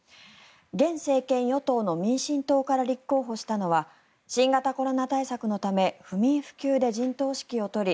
現政権与党の民進党から立候補したのは新型コロナ対策のため不眠不休で陣頭指揮を執り